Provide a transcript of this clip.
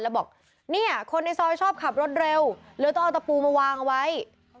แล้วบอกเนี่ยคนในซอยชอบขับรถเร็วเลยต้องเอาตะปูมาวางเอาไว้